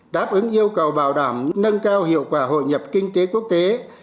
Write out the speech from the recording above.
đáp ứng yêu cầu bảo đảm nâng cao hiệu quả hội nhập kinh tế quốc tế